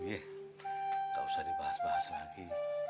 yeh gak usah dibahas bahas lagi